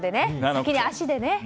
先に足でね。